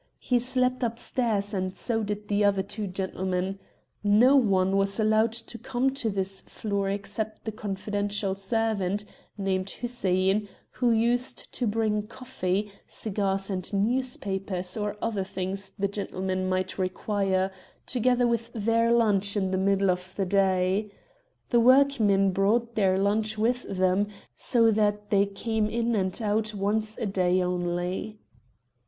He slept upstairs, and so did the other two gentlemen. No one was allowed to come to this floor except the confidential servant, named Hussein, who used to bring coffee, cigars, and newspapers or other things the gentlemen might require, together with their lunch in the middle of the day. The workmen brought their lunch with them, so that they came in and out once a day only."